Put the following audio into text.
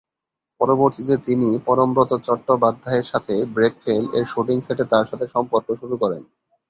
পরবর্তীতে তিনি পরমব্রত চট্টোপাধ্যায়ের সাথে "ব্রেক ফেল"-এর শ্যুটিং সেটে তার সাথে সম্পর্ক শুরু করেন।